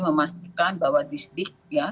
memastikan bahwa ristek